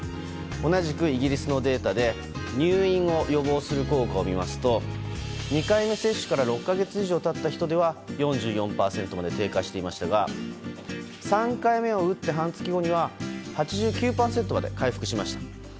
同じくイギリスのデータで入院を予防する効果を見ますと２回目接種から６か月以上経った人では４４％まで低下していましたが３回目を打って半月後には８９％まで回復しました。